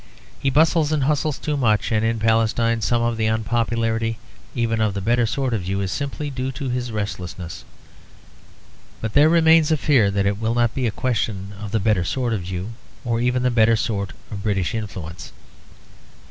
He bustles and hustles too much; and in Palestine some of the unpopularity even of the better sort of Jew is simply due to his restlessness. But there remains a fear that it will not be a question of the better sort of Jew, or of the better sort of British influence.